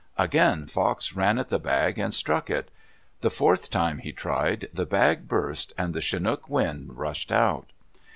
Again Fox ran at the bag and struck it. The fourth time he tried, the bag burst and the chinook wind rushed out.